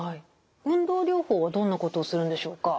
運動療法はどんなことをするんでしょうか？